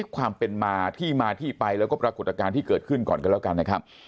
ความเป็นมาที่มาที่ไปแล้วก็ปรากฏการณ์ที่เกิดขึ้นก่อนกันแล้วกันนะครับ